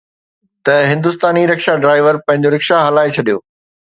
ته هندستاني rickshaw driver پنهنجو رڪشا هلائي ڇڏيو